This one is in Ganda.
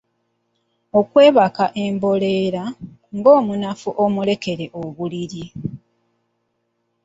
Okwebaka emboleera ng’omunafu omulekere obuliri.